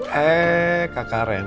hei kakak ren